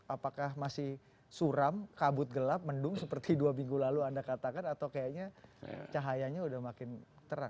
apakah masih suram kabut gelap mendung seperti dua minggu lalu anda katakan atau kayaknya cahayanya udah makin terang